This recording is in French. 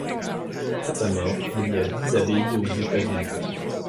À sa mort, il y a dix abbayes aux États-Unis.